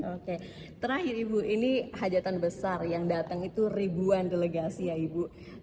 oke terakhir ibu ini hajatan besar yang datang itu ribuan delegasi ya ibu